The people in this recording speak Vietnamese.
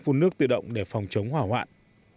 phun nước tự động để phòng chống hỏa hoạn